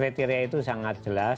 kriteria itu sangat jelas